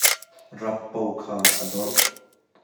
Rap po kha a dorh.